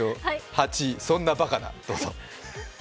８位、そんなバカな、どうぞ。